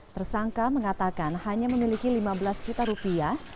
tersangka mengatakan hanya memiliki lima belas juta rupiah